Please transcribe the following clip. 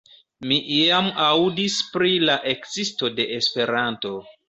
Mi iam aŭdis pri la ekzisto de Esperanto.